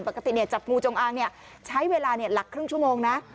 ปกติจับงูจงอางใช้เวลาหลักครึ่งชั่วโมงนะ